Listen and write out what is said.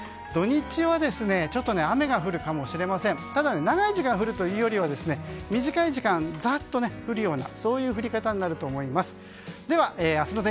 土日はちょっと雨が降るかもしれませんがただ、長い時間降るというよりは短い時間ざっと降るようなそういう降り方になると思います。